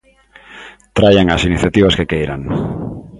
Traian as iniciativas que queiran.